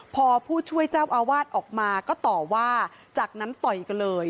พอผู้ช่วยเจ้าอาวาสออกมาก็ต่อว่าจากนั้นต่อยกันเลย